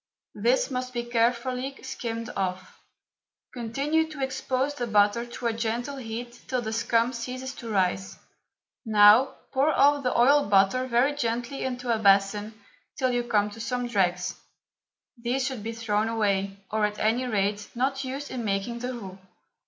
This must be carefully skimmed off. Continue to expose the butter to a gentle heat till the scum ceases to rise. Now pour off the oiled butter very gently into a basin till you come to some dregs. These should be thrown away, or, at any rate, not used in making the roux.